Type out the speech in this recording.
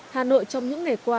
hà nội trong những ngày qua